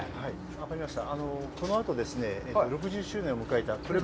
分かりました。